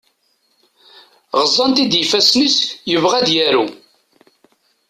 Ɣeẓẓan-t-id yifassen-is, yebɣa ad yaru.